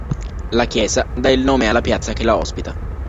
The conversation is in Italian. La chiesa dà il nome alla piazza che la ospita.